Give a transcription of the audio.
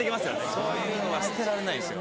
そういうのは捨てられないですよ